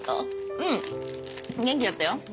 うん元気だったよ。